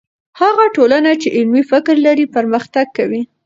هغه ټولنه چې علمي فکر لري، پرمختګ کوي.